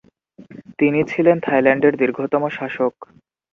তিনি ছিলেন থাইল্যান্ডের দীর্ঘতম শাসক।